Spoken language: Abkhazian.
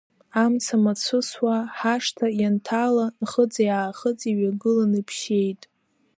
Амца мацәысуа ҳашҭа ианҭала, Нхыҵи аахыҵи ҩагылан иԥшьеит.